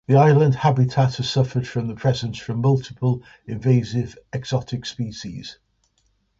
The island habitat has suffered from the presence from multiple invasive exotic species.